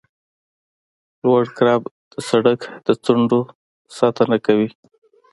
لوړ کرب د سرک د څنډو ساتنه کوي